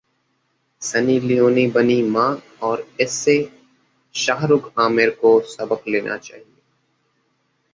Sunny Leone बनीं मां और इससे शाहरुख-आमिर को सबक लेना चाहिए